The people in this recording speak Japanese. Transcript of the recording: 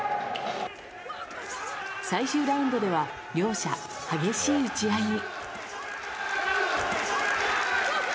最終ラウンドでは両者、激しい打ち合いに。